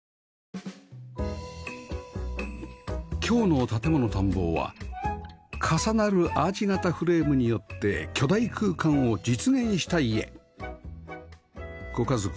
今日の『建もの探訪』は重なるアーチ形フレームによって巨大空間を実現した家